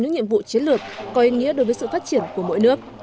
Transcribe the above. những nhiệm vụ chiến lược có ý nghĩa đối với sự phát triển của mỗi nước